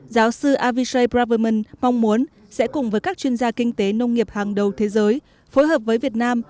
giáo sư avishai barverman mong muốn sẽ cùng với các chuyên gia kinh tế nông nghiệp hàng đầu thế giới phối hợp với việt nam